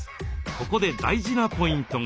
ここで大事なポイントが。